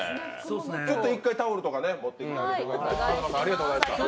ちょっと一回タオルとか持ってきてあげてください。